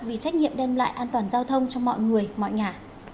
vì trách nhiệm đem lại an toàn giao thông cho mọi người mọi nhà